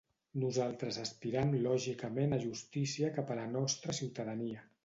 Nosaltres aspiram lògicament a justícia cap a la nostra ciutadania.